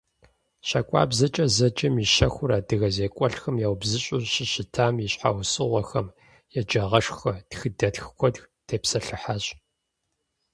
«ЩакӀуэбзэкӀэ» зэджэм и щэхур адыгэ зекӀуэлӀхэм яубзыщӀу щӀыщытам и щхьэусыгъуэхэм, еджагъэшхуэ тхыдэтх куэд тепсэлъыхьащ.